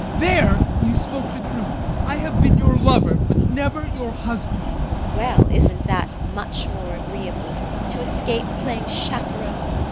There you spoke the truth! I have been your lover, but never your husband. TEKLA. Well, isn't that much more agreeable to escape playing chaperon?